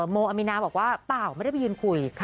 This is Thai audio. โมอามีนาบอกว่าเปล่าไม่ได้ไปยืนคุย